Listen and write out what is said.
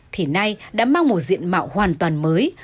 thì nay đã mang một diện mạo hoàn toàn mới